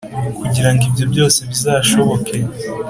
kugirango ibyo byose bizashoboke